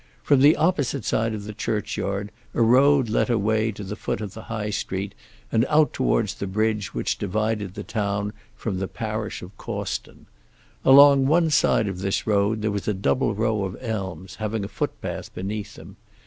From the opposite side of the churchyard a road led away to the foot of the High street, and out towards the bridge which divided the town from the parish of Cawston. Along one side of this road there was a double row of elms, having a footpath beneath them.